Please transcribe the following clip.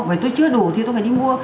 vậy tôi chưa đủ thì tôi phải đi mua